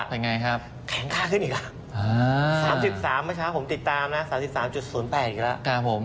แข่งค่าขึ้นอีกละ๓๓เมื่อเช้าผมติดตาม๓๓๐๘อีกแล้ว